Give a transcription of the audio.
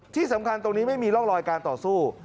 ที่สำคัญตรงนี้ไม่มีร่องรอยการต่อสู้